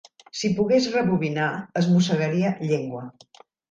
Si pogués rebobinar es mossegaria llengua.